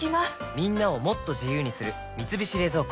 みんなをもっと自由にする「三菱冷蔵庫」